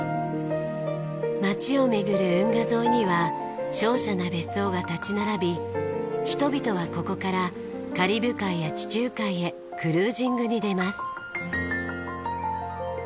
町を巡る運河沿いには瀟洒な別荘が立ち並び人々はここからカリブ海や地中海へクルージングに出ます。